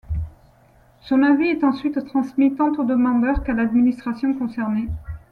Son avis est ensuite transmis tant au demandeur qu'à l'administration concernée.